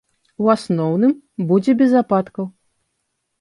У асноўным, будзе без ападкаў.